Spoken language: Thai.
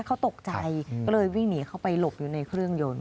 เขาตกใจก็เลยวิ่งหนีเข้าไปหลบอยู่ในเครื่องยนต์